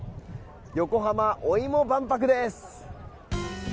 横浜おいも万博です。